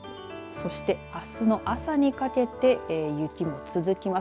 そして、あすの朝にかけて雪も続きます。